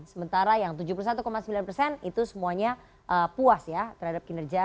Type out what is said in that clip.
sementara yang tujuh puluh satu sembilan persen itu semuanya puas ya terhadap kinerja